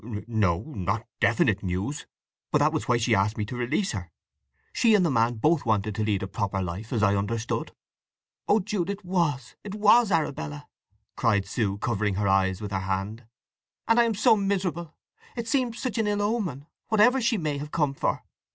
"No—not definite news. But that was why she asked me to release her. She and the man both wanted to lead a proper life, as I understood." "Oh Jude—it was, it was Arabella!" cried Sue, covering her eyes with her hand. "And I am so miserable! It seems such an ill omen, whatever she may have come for.